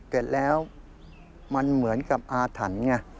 แต่แล้วมันเหมือนกับอาถรรพ์